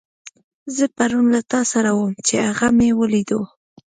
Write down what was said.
زه پرون له تاسره وم، چې هغه مې وليدو.